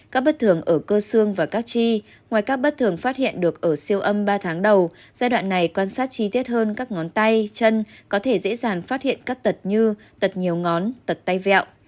các bất thường ở cơ xương và các chi ngoài các bất thường phát hiện được ở siêu âm ba tháng đầu giai đoạn này quan sát chi tiết hơn các ngón tay chân có thể dễ dàng phát hiện các tật như tật nhiều ngón tật tay vẹo